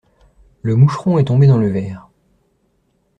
Le moucheron est tombé dans le verre.